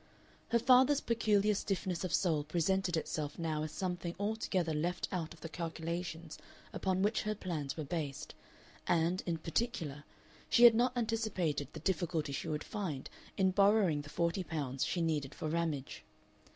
Her father's peculiar stiffness of soul presented itself now as something altogether left out of the calculations upon which her plans were based, and, in particular, she had not anticipated the difficulty she would find in borrowing the forty pounds she needed for Ramage.